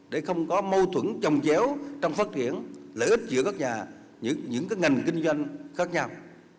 để không có mâu thuẫn chồng chéo trong phát triển lợi ích giữa các nhà những ngành kinh doanh khác nhau